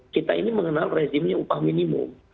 kita ini mengenal rezimnya upah minimum